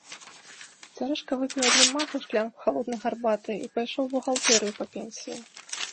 Цярэшка выпіў адным махам шклянку халоднай гарбаты і пайшоў у бухгалтэрыю па пенсію.